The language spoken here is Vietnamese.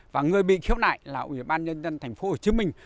và người bị khiếu nại là ủy ban nhân dân thành phố hồ chí minh